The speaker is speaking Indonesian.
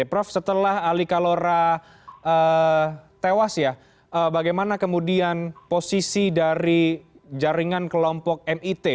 prof setelah ali kalora tewas ya bagaimana kemudian posisi dari jaringan kelompok mit